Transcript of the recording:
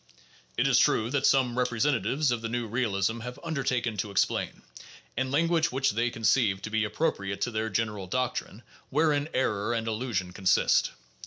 It is true that some representatives of the new realism have undertaken to explain, in language which they conceive to be ap propriate to their general doctrine, wherein error and illusion con sist.